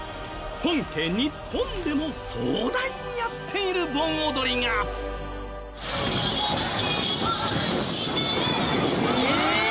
本家日本でも壮大にやっている盆踊りが。ええーっ！